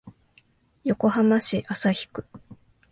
横浜市旭区